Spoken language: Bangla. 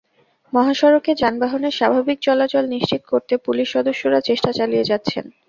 মহাসড়কে যানবাহনের স্বাভাবিক চলাচল নিশ্চিত করতে পুলিশ সদস্যরা চেষ্টা চালিয়ে যাচ্ছেন।